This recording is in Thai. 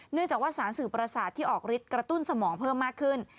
เนื่องจากว่าสารสื่อประสาทที่ออกฤทธิกระตุ้นสมองเพิ่มมากขึ้น